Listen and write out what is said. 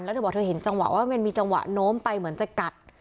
แล้วเธอบอกเธอเห็นจังหวะว่ามันมีจังหวะโน้มไปเหมือนจะกัด